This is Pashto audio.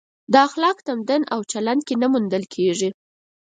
اخلاق تمدن او چلن کې نه موندل کېږي.